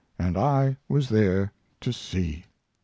And I was there to see.